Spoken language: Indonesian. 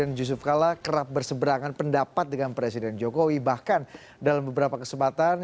namun bersisian dengan jalan tol